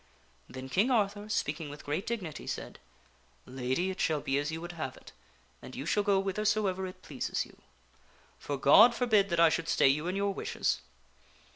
Then King Arthur, speaking with great dignity, said, " Lady, it shall be as you would have it, and you shall go whithersoever it pleases you. For God forbid that I should stay you in your wishes.